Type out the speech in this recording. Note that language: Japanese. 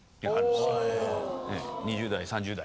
２０代３０代。